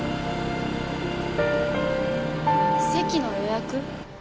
席の予約？